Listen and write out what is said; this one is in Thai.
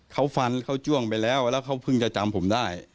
เขาฟันเขาจ้วงไปแล้วแล้วเขาเพิ่งจะจำผมได้